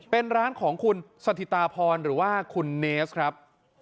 เป็นร้านของคุณสถิตาพรหรือว่าคุณเนสครับ